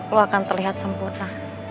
lo akan terlihat sempurna